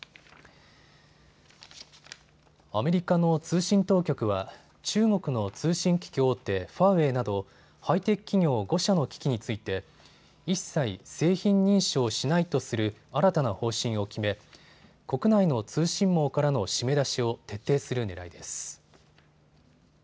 アメリカの通信当局は中国の通信機器大手、ファーウェイなどハイテク企業５社の機器について一切、製品認証しないとする新たな方針を決め国内の通信網からの締め出しを徹底するねらいです。